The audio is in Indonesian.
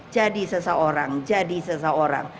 jadi seseorang jadi seseorang